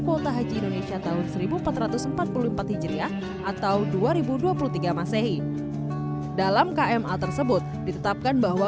kuota haji indonesia tahun seribu empat ratus empat puluh empat hijriah atau dua ribu dua puluh tiga masehi dalam kma tersebut ditetapkan bahwa